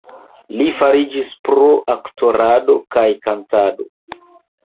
Li famiĝis pro aktorado kaj kantado.